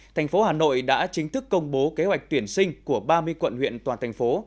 thành phố hà nội đã chính thức công bố kế hoạch tuyển sinh của ba mươi quận huyện toàn thành phố